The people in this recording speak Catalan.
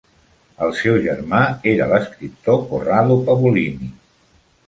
El seu germà era l'escriptor Corrado Pavolini.